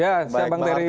ya saya bang teri